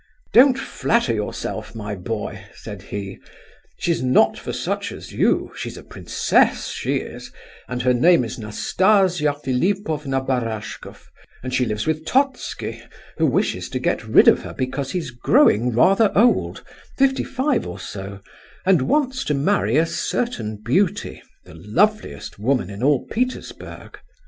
'Don't flatter yourself, my boy,' said he; 'she's not for such as you; she's a princess, she is, and her name is Nastasia Philipovna Barashkoff, and she lives with Totski, who wishes to get rid of her because he's growing rather old—fifty five or so—and wants to marry a certain beauty, the loveliest woman in all Petersburg.